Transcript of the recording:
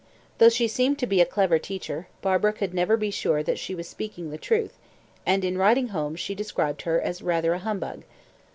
Though she seemed to be a clever teacher, Barbara could never be sure that she was speaking the truth, and in writing home she described her as "rather a humbug."